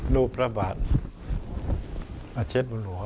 รู้ประบาทมาเช็ดบนหัว